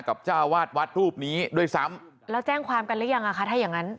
จ้าวาดวัดรูปนี้ด้วยซ้ำแล้วแจ้งความกันหรือยังอ่ะคะถ้าอย่างงั้น